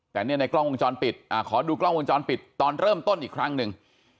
แต่เนี่ยในกล้องวงจรปิดขอดูกล้องวงจรปิดตอนเริ่มต้นอีกครั้งหนึ่ง